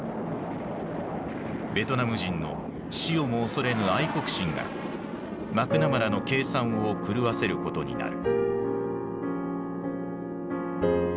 ベトナム人の死をも恐れぬ「愛国心」がマクナマラの計算を狂わせることになる。